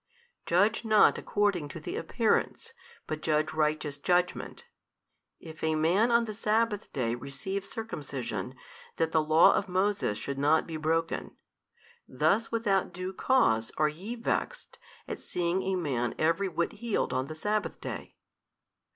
Judge not according to the appearance, but judge righteous judgment. If a man on the sabbath day receive circumcision, that the Law of Moses should |280 not be broken, thus without due cause are ye vexed at seeing a man every whit healed on the sabbath day?